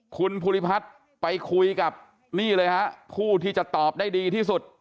คุณภูริพัฒน์ไปคุยกับนี่เลยฮะผู้ที่จะตอบได้ดีที่สุด